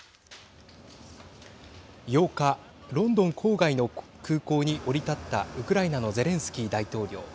８日、ロンドン郊外の空港に降り立ったウクライナのゼレンスキー大統領。